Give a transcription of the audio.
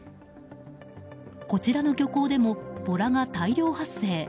こちらの漁港でもボラが大量発生。